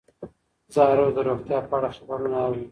زه هره ورځ د روغتیا په اړه خبرونه اورم.